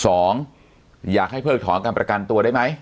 อยากให้เพิกถอนการประกันตัวได้ไหม